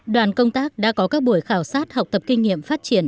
đoàn công tác đã có các buổi khảo sát học tập kinh nghiệm phát triển